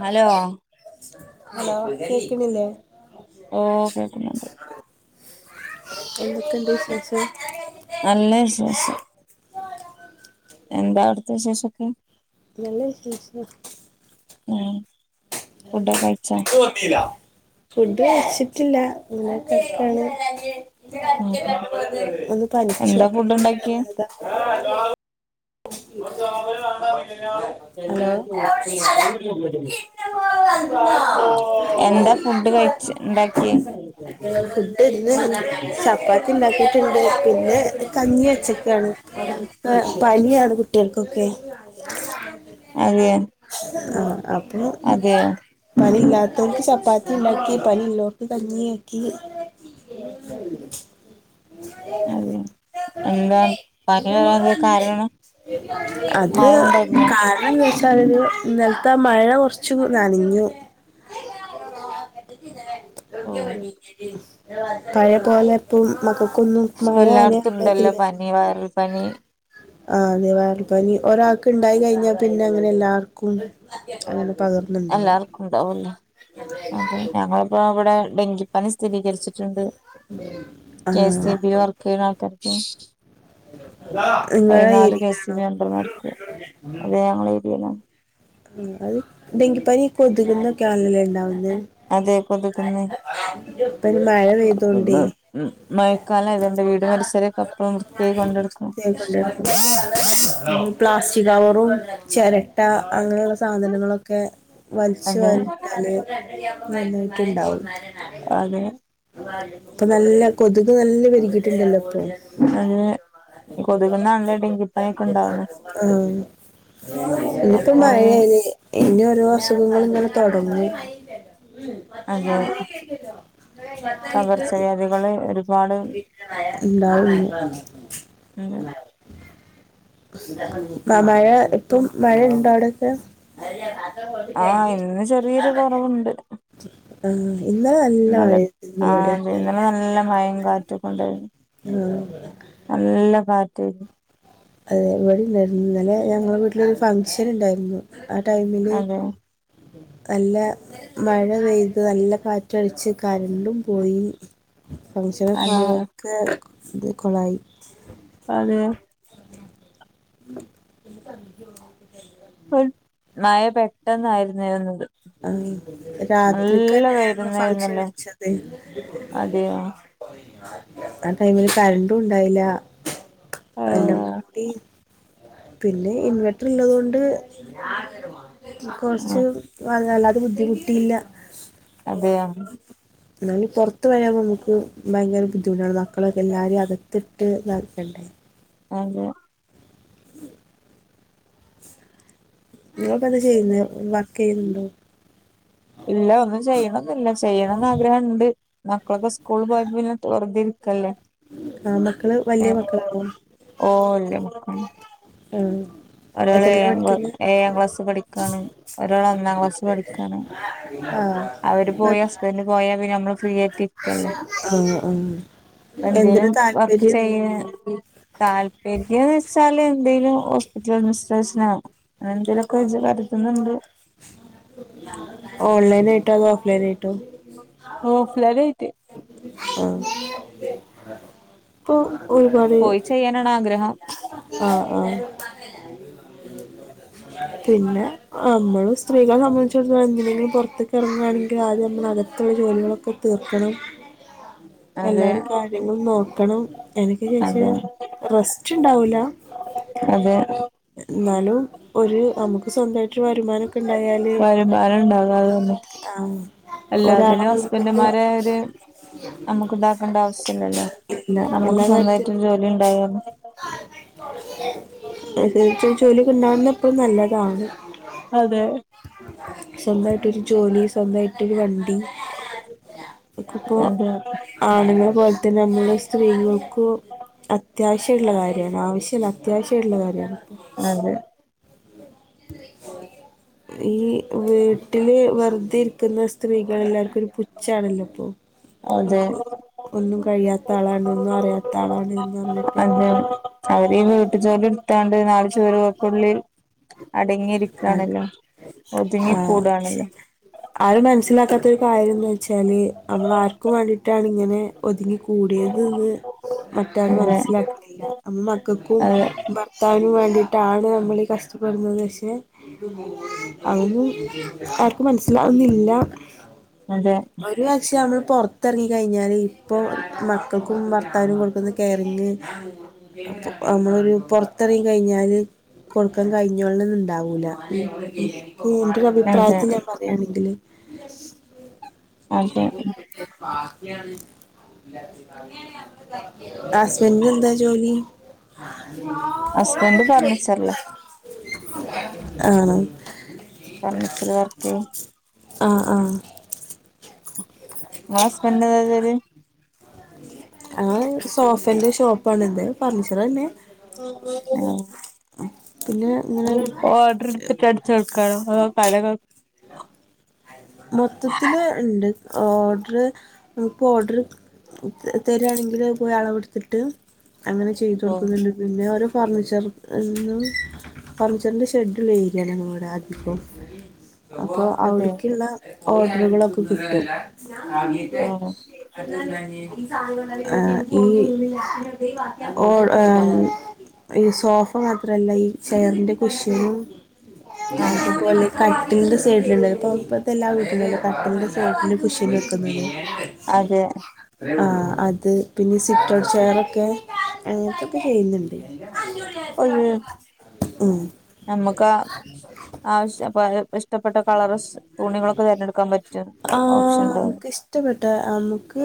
Hello hello കേക്ക്ണില്ലേ ഓ തേക്ക്ന്ന്ണ്ട് എന്തൊക്കെയുണ്ട് വിശേഷം നല്ല വിശേഷം എന്താ അവിടുത്തെ വിശേഷൊക്കെ നല്ല വിശേഷം ഏ [unintelligible] ഫുഡ് വച്ചിട്ടില്ല അങ്ങന കെടക്കാണ് ഉം ഒന്ന് പനിച്ചു എന്താ ഫുഡ് അപ്പതന്നെ ഉണ്ടാക്കിയെ കെടന്നതാ ഹലോ എന്താ ഫുഡ് കഴിച്ച് ഉണ്ടാക്കിയെ ഫുഡ് ഇന്ന് ചപ്പാത്തി ഉണ്ടാക്കിട്ടുണ്ട് പിന്നെ കഞ്ഞി വച്ചക്കാണ് പ്പ പനിയാണ് കു ട്ടിയേൾക്കൊക്കെ അതെയാ അപ്പോ അതെയോ പനില്ലാ ത്തോൽക്ക് ചപ്പാത്തി ണ്ടാക്കി പനില്ലോൽക്ക് കഞ്ഞിയാക്കി അതെ എന്താ പനി വരാൻ കാരണം മയ ഉണ്ടായിരുന്നോ ഇന്നൽത്തെ മഴ കുറച്ച് ചു നനഞ്ഞു ഓ അ്യ വഞ്ഞ പഴയ പോലെ ഇപ്പം മക്കക്ക് എല്ലാടത്തും ഉണ്ടല്ലോ പനി വയറൽ പനി ആഹ് വയ്റൽപനി ഒരാൾക്ക് ഉണ്ടായി കഴിഞ്ഞാൽ പിന്നെ അങ്ങനെ എല്ലാവർക്കും അങ്ങനെ പകർന്നുണ്ടാവും എല്ലാർക്കുണ്ടാവുല്ലേ അതെ ഞങ്ങളിപ്പോ ഇവടെ ഡെങ്കിപ്പനി സ്ഥിതീകരിച്ചി ണ്ട് ആ K S E B work ചെയ്യുന്ന ആൾക്കാ നിങ്ങള പതിനാല് കെ സി ഏരിയയിലാണോ? ബി മെമ്പർമാർക്ക് അത് ഞങ്ങളെ ഏരിയയിലാണ് ആ അത് ഡെങ്കിപ്പനി കൊതുകുന്നൊക്കെ ആണല്ലേ ഉണ്ടാവുന്നേ? അതെ കൊതുകെന്ന് ഇപ്പൊ മഴ മ പെയ്തോണ്ടേ മഴക്കാലം ആയതുകണ്ട് വീട് പരിസരം ഒക്കേ വൃത്തിയായി കൊണ്ടെടുക്കും കൊണ്ടുനടക്കും പ്ലാസ്റ്റിക് കവറും ചിരട്ട അങ്ങനെയുള്ള സാധനങ്ങളൊക്കെ വലിച്ചു അതെ വാരിട്ടാണ് നല്ലതായിട്ട് ഉണ്ടാവുള്ളു [inaudible] അതെ അപ്പൊ നല്ല കൊതുക് നല്ല പെരുകിയിട്ടുണ്ടല്ലോ ഇപ്പൊ അത് കൊതുകുന്നാണല്ലോ ഡെങ്കിപ്പനൊക്കെ ഇണ്ടാവന്നേ മഴ അല്ലേ ഇനി ഓരോ അസുഖങ്ങ നെ തൊടങ്ങും അതെ [unintelligible] പകർച്ചവ്യാധികള് [unintelligible] ഒരുപാട് ഉണ്ടാവും ഉണ്ട് മഴ ഇപ്പും മഴയുണ്ടോ അവിടൊക്കെ? ആഹ് ഇന്ന് ചെറിയൊരു കുറവുണ്ട് ആഹ് ഇന്നലെ നല്ല ഇന്ന മഴയായിരുന്നു ആ അത ഇവിടെയൊക്കെ ഇന്നലെ നല്ല മയം കാറ്റ കൊണ്ടായിരുന്നു ആഹ് നല്ല കാ [unintelligible] അതെ ഇവിടെണ്ടായിരുന്നു ഇന്നലെ ഞങ്ങള വീട്ടിലരു ഫംഗ്ഷൻ ഇണ്ടായിരുന്നു. ആടൈമില് അതെ നല്ല മഴ പെയ്ത് നല്ല കാറ്റടിച്ചു കരണ്ടും പോയി ഫംഗ്ഷന് അതെ കാൽത്ത് ഇത് കുളായി അതെ [unintelligible] [unintelligible] മയ പെട്ടെന്നായിരുന്നരുന്നത് ആഹ് രാത്രിക്കന്നെയരുന്നു ഫംഗഷൻ വെയിലുണ്ടായിരുന്നല്ലേ വച്ചത് അതെയോ ആ ടൈമില് കരണ്ടും ഉണ്ടായില്ല. അ ആഹ് [unintelligible] പിന്നെ ഇൻവെർട്ടർള്ളതൊണ്ട് ഉം കുറച്ച് വ വല്ല ബുദ്ധിമുട്ടില്ല അതെയാ ന്നാലും പുറത്ത് വരാമ്പോൾ നമുക്ക് ഭയങ്കര ബുദ്ധിമുട്ടാണ് മക്കളൊക്കെ എല്ലാരും അകത്തിട്ട് ഇതാക്കണ്ടേ. അതെ ഉം നിങ്ങൾടനത് ചെയ്യുന്നെ വർക്ക് ചെയ്യുന്നുണ്ടോ ഇല്ല ഒന്നും ചെയ്യണെന്നില്ല ചെയ്യണംന്ന് ആഗ്രഹം ഇണ്ട് മക്കളൊക്കെ സ്കൂൾ പോയെ പിന്നെ തർ വെറുതെയിരി ക്കല്ലേ ആ മക്കള് വലിയ ഏഹ് മക്കളാണോ? ഓ അല്ലേ. ആ ഒരാള് എത്രയിലാ ഏഴാം ക്ല പഠിക്കുന്നെ? ഏഴാം ക്ലാസ് പഠിക്കാണ് ഒരാളൊന്നാം ക്ലാസ് പഠിക്കാണ്. ആ അവര് മ- പോയി ഹസ്പന്റ് പോയാ പിന്നെ നമ്മള് ഫ്രീയായിട്ട് ഇരിക്കല്ലേ ആ ആ അപ്പ എന്തിനാ എന്തെലും വർക്ക് താല്പര്യം? ചെയ്യ താല്പര്യന്ന് വെച്ചാല് എന്തേലും ഹോസ്പിറ്റൽ അഡ്മിനിസ്ട്രേഷനോ അങ്ങനെന്തേലുവോക്കെ വെച്ച് പരുതുന്നുണ്ട്. ഓൺലൈനായിട്ടോ അതോ ഓഫ്ലൈനായിട്ടോ ഓഫ്ലൈനായിട്ട് ആ പ്പൊ ഒരുപണി പോയി ചെയ്യാനാണ് ആഗ്രഹം ആ ആ പിന്നെ അമ്മള് സ്ത്രീകളെ സംബന്ധിച്ച്ടത്തോളം എന്തിനെങ്കിലും പൊറത്തേക്കെറങ്ങുവാണെങ്കില് ആദ്യം നമ്മള് അകത്തുള്ള ജോലികളൊക്കെ തീർക്കണം അതെ എല്ലാരേം കാര്യങ്ങള് നോക്കണം എനിക്ക് ശേഷെ അതെ റെസ്റ്റ്ണ്ടാവൂല അതെ ന്നാലും ഒരു അമു സ്വന്തായിട്ട് വരുമാനൊക്കെ ഉണ്ടായാല് വരുമാനൊണ്ടാകാതെ പന്നെ ആഹ് ഒരാളെ എല്ലാത്തിനും നോക്കിട്ട് ഹസ്ബൻഡുമാരെ ഒര് നമുക്കുണ്ടാക്കണ്ടാവശ്യല്ലല്ലോ ഇല്ല എല്ലാ നമുക്കു സ്വന്തായിട്ടൊരു കാര്യത്തിനും ജോലി ഉണ്ടായാല് പ്പം നല്ലതാണ് അതെ സ്വന്തായിട്ടൊരു ജോലി സ്വന്തായി പിന്നെ വണ്ടി ക്ക്പ്പോ അതെ ആണുങ്ങളെ പോൽതന്നെ മ്മള് സ്ത്രീകൾക്കും അത്യാ അത്യാവശ്യള്ള കാര്യവാണ് ആവശ്യല്ല അത്യാവശ്യാട്ട്ള്ള കാര്യാണ് അതെ ഈ വീട്ടില് വെറുതെ ഇരിക്കുന്ന സ് സ്ത്രീകളെല്ലാർക്കൊരു പുച് ച്ചാണല്ലോ പ്പോ അതെ [unintelligible] ഒന്നും കൂ കഴിയാത്ത ആളാണൊന്നും അറിയാത്ത ആളാണ് എന്ന് പറഞ്ഞിട്ട് അതെ അവരീന്ന് വീട്ടുജോല്ലി എടുത്താണ്ട് നാള് ചുരുകക്കുള്ളിൽ അത് ആ ശെ ഒതുങ്ങിക്കൂടാണല്ലോ ആരും മനസ്സിലാക്കാത്തരു കാര്യംന്ന് ച്ചാല് അമ്മള് ആർക്കും വേണ്ടിയിട്ടാണ് ഇങ്ങനെ ഒതുങ്ങികു കൂടിയതിന്ന് അതെ മറ്റാരുമനസ്സിലാക്ക്ന്നില്ല മക്കക്കും അതെ ഭർത്താവിനും വേണ്ടി ട്ടാണ് നമ്മളീ കഷ്ടപ്പെടുന്നത് ശ്ശെ അതൊന്നും ആർക്കും മനസ്സിലാവുന്നില്ല അതെ ഒരുവർഷമ്മള് പൊറത്തെറങ്ങി കയിഞ്ഞാല് ഇപ്പോ മക്കൾക്കും ഭർത്താവിനും കൊടുക്കുന്ന കെയറിങ്ങ് അമ്മളൊരു പൊറത്തെറങ്ങി കയിഞ്ഞാല് കൊടുക്കാൻ കഴിഞ്ഞോളണംന്നിണ്ടാവും വൂല അതെ കൂണ്ടൊരഭിപ്രായത്തിഞാൻ പറയാണെങ്കില് എ അതെ ഹസ്ബെൻ്റിനെന്താ ജോലി ഹസ്ബൻഡ് [inaudible] ഫർണിച്ചറില അണോ ഫർണിച്ചർ വർക്ക് ആ ആ നിങ്ങള ഹസ്ബൻഡ് ന്ത ച ആ സോഫന്റെ ഷോപ്പ ആണ് ഇത് ഫർണിച്ചർന്നെ ആ ആ പിന്നെ ഇങ്ങെ എടുത്തിട്ട് അടിച്ചു കൊടുക്കാണോ അതോ കടകൾ മൊത്തത്തില് ഉണ്ട് ഓർഡറ് നമുപ്പോൾ ഓർഡർ തരിയാണെങ്കിൽ പോയി അളവെടുത്തിട്ട് അങ്ങനെ ചെയ്തു ഓ കൊടുക്കുന്നു പിന്നെ ഫർണിച്ചർന്ന് ഫർണിച്ചറിന്റെ ഷെഡിൽ വേകയാണ് ഇവിടെ ആദ്യപ്പോം അപ്പൊ അതെ അവിടക്ക്ള്ള ഓർഡറുകളൊക്കെ കിട്ടും ഓ അത് ആ ഈ ഈ സോഫ മാത്രല്ല ഈ ചെയറിന്റെ കുശനും ആ അതെ ആ പോലെ കൈ കട്ടിൽന്റെ സെഡില ഉള്ളത് ഇപ്പോ ഇപ്പോഴത്തെല്ലാ വീട്ടിലും കട്ടിൻ്റെ സൈഡും കുഷൻ വേക്കുന്നില്ല അതെ ആ അത് പിന്നെ സിറ്റോർ ചെയെയർൊക്കെ അങ്ങനത്തൊക്കെ ചെയ്യുന്നുണ്ട് ഒരു [unintelligible] ആ നമുക്ക് ആവശ്യം [unintelligible] ഇഷ്ടപ്പെട്ട കളർസ് ഓപ്ഷൻ ഉണ്ടാവും ആനമുക്ക് ഇഷ്ടപ്പെട്ട നമുക്ക്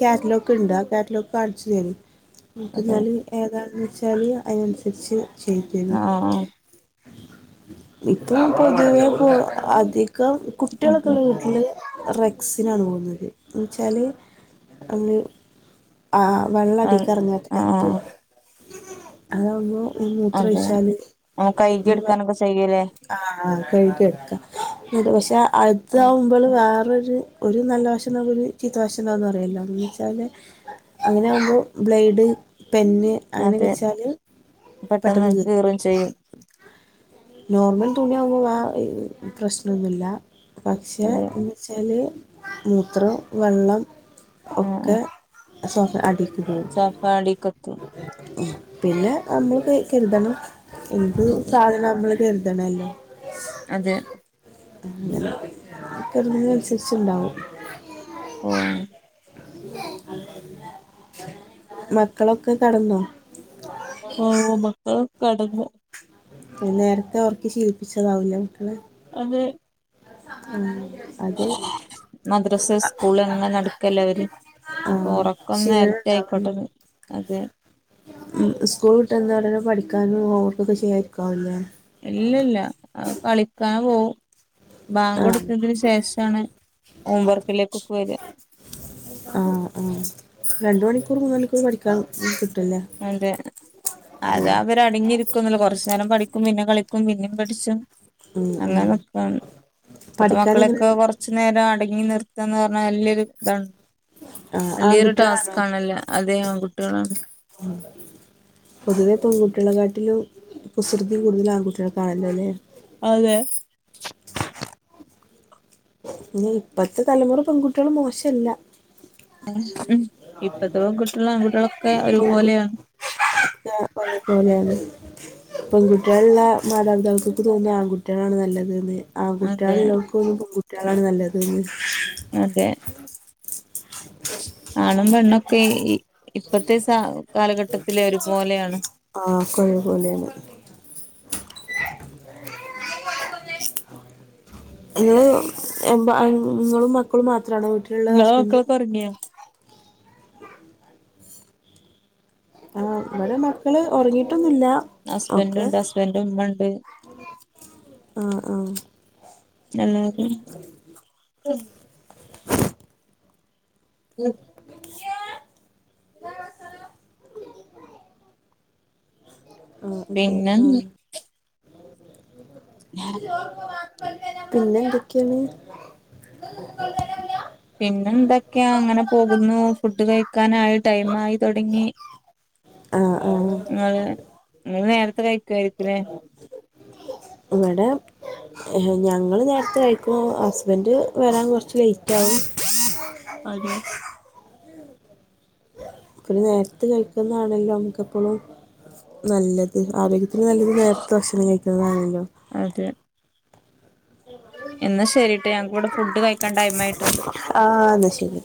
കാറ്റ്‌ലോ കണ്ടാ കാറ്റ് ലോ കാണിച്ചു തരും അതെ നമുക്ക്ന്നാലും ഏതാന്ന് വെച്ച് ചെറിയ അതിനനുസരിച്ച് ശരിക്കെ നു ആ ഇപ്പ പൊതുവേ പോ അധിക കംകുട്ടികളൊക്കെ അതെ ഒള്ള വീട്ടില് റെക്സിനാണ് പോകുന്നത് എന്ന വച്ചാല് അങ്ങെ ആ് വെള്ളം ആ അടിക്ക് ആ ഇറങ്ങത്തേക്കു അതാവുമ്പോ മൂത്രം അതെ കൈകി എടുക്കാനൊക്കെ സു ആഹ കഴിക്ക എടുക്ക പക്ഷെ അതാവുമ്പോൾ വേറൊരു ഒരു നല്ല വശമാ ഒരു ചീത്ത വശണ്ടാെന്ന് അറിയില്ല എന്ന് വെച്ചാൽ അങ്ങനെ ആകുമ്പോൾ ബ്ലേഡ് പെന് അങ്ങനെയൊക്കെ അതെ വെച്ചാല് പെട്ടെന്ന് വീർത്ത് കീറും വരും ചെയ്യും നോർമൽ തുണിയ ആവുമ്പോൾ ആ പ്രശ്നം ഒന്നുമില്ല പക്ഷെ അതെ എന്ന് വെച്ചാല് മൂത്രം വെള്ളം ഒക്കെ സോ ഫഅടി സഫാടി കക്കും പിന്നെ നമ്മള് കരുതണം എന്ത് സാധന അത് കരുതണോല്ലൊ അതെ അറുന്നനുസരിച്ചുണ്ടാവും ആഹ മക്കളൊക്കെ കടന്നോ ഓഓ മക്ക കടന്ന് നേരത്തെ ഒർക്കി ശീലിപ്പിച്ചതാവുല്ലേ മക്കളെ അതെ [unintelligible] മദ്രസ സ്കൂൾ എങ്ങെ നടക്കല്ലോ അവര് ആ അപ്പൊ ഉറക്കൊന്ന് നേരത്തെ ആയിക്കോട്ടെന്ന് അതെ ഉം സ്കൂൾ ട്ടെന്ന [unintelligible] പഠി ക്കാനു ഓവർക്കൊക്കെ ചെയര്ക്കാല്ലേ ഇല്ലല്ല അഹ് കളിക്കാ പോ ബാങ്ക് ആ കൊടുത്തതിന് ശേഷണ് ഹോംവർക്കിലേക്കൊക്കെ വര രു മൂന്നണിക്കൂർ പഠിക്കാൻ ഇക്കും അതെ അത് ആര് അവരടങ്ങിരിക്കുംന്നുല്ല കൊറചേരം പഠിക് കും പിന്നെ കളിക്കും പിന്നിം പടിച്ചും ഉം, ഉം. അങ്ങനൊക്കാണ് ഇപത്തെ പഠിക്കാൻ എങ്ങനെ മക്കളൊക്കെ കൊറച്ചു നേരം അട ഇങ്ങി നിർത്തന്ന് പറഞ്ഞാ വല്യൊരു തണ് ആ, വലിയൊരു ആൺകുട്ടികളാണോ ടാസ്ക് ആണല്ലേ അതെ ആൺകുട്ടിളാണ് പൊതുവെ പെൺകുട്ടികളെക്കാട്ടിലും കുസൃതി കൂടുതല ആൺകുട്ടിൾ കാണല്ലോല്ലേ അതെ ഇ ഇപ്പത്തെ തലമുറ പെൺകുട്ടികൾ മോശല്ല ആ ഉം ഇപ്പത്തെ പെൺകുട്ടിള ആൺകുട്ടിളൊക്കെ ഒരുപോലെയാണ് ത ഒരേപോലെയാണ് പെൺകുട്ടിളള്ള മാതാപിതാക്കൾക് തോന്നുന ആൺകുട്ടിളാണ് നല്ലത് ന്ന് അതെ ആകുട്ടേലോൾക്കു ഓന്നു പെൻകുട് റ്റളാണ് നല്ലത് അതെ ആണും പെണ്ണൊക്കെ ഇ ഇപ്പത്തെേ സാ ആഹ് കൊരുപോലെയാണ് ങ്ങഹ് എമ്പാ അങ്ങളും മക്കളും മാത്ര ന ഒക്ക പറങ്ങിയ ഉ ആ ഇവിടെ മക്കള് ഉറങ്ങിട്ട് ട്ടന്നുല്ല ഹസ്ബൻഡ് ഓക്കെ ഉണ്ട് ഹസ്ബൻഡ് ഉമ്മ ഉണ്ട് ആ ആ ഉ ഉ ഉം ഉം ആ അതെ പിന്നെ ആ പിന്നെ എന്തൊക്കെയാണ് പിന്നെ എന്തൊക്കെയാ അങ്ങനെ പോകുന്നു ഫുഡ് കഴിക്കാനായി ആ ആ അതെ നിങ്ങള് നേരത്തെ കഴിക്കുയിരികുലെ ഇവിടെ ഞങ്ങള്ള് നേരത്തെ കഴിക്കും ഹസ്ബൻഡ് വരാൻ കുറച്ച് ലേറ്റ് ആകും അതെ ഇ നേരത്ത് കഴിക്കുന്നാതന്നല്ലോ നമുക്ക എപ്പോഴും നല്ലത് ആരോഗ്യ ഇന്നല്ലെകിൽ നേരത്ത് ഭക്ഷണം കഴിക്കുന്നതാണല്ലോ അതെ എന്നാ ശരിട്ട ഞങ്ങക്കിവിടെ ഫുഡ് കഴിക്കാൻ ടൈം ആയിട്ടുണ്ട് ആ ന്നാശരി